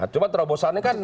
cuma terobosannya kan